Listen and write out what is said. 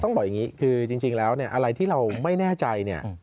บอกอย่างนี้คือจริงแล้วเนี่ยอะไรที่เราไม่แน่ใจเนี่ย